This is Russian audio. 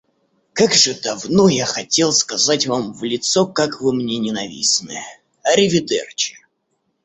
Как же давно я хотел сказать вам в лицо, как вы мне ненавистны. Аривидерчи!